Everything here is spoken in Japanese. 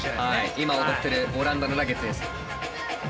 今踊ってるオランダのラゲッズです。